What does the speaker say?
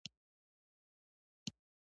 هرڅه څرنګه سي مړاوي هر څه څرنګه وچیږي